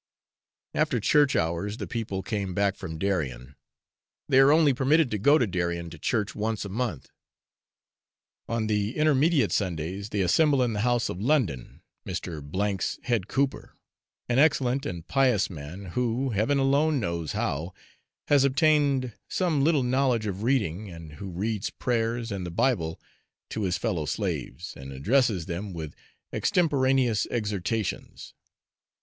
After church hours the people came back from Darien. They are only permitted to go to Darien to church once a month. On the intermediate Sundays they assemble in the house of London, Mr. 's head cooper, an excellent and pious man, who, Heaven alone knows how, has obtained some little knowledge of reading, and who reads prayers and the Bible to his fellow slaves, and addresses them with extemporaneous exhortations.